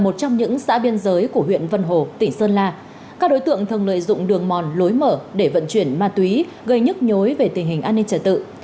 trong những xã biên giới của huyện vân hồ tỉnh sơn la các đối tượng thường lợi dụng đường mòn lối mở để vận chuyển ma túy gây nhức nhối về tình hình an ninh trật tự